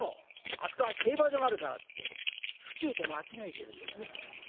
あそこは競馬場があるから」って府中と間違えてるんですね。